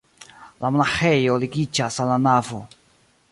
La monaĥejo ligiĝas al la navo.